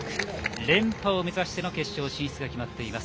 連覇を目指しての決勝進出が決まっています。